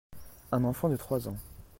Un enfant de trois ans.